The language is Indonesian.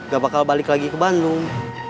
gak bakal balik lagi ke bandung